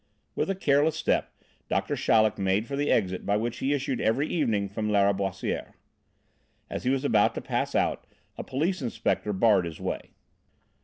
With a careless step Doctor Chaleck made for the exit by which he issued every evening from Lâriboisière. As he was about to pass out, a police inspector barred his way.